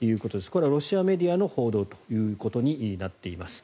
これはロシアメディアの報道ということになっています。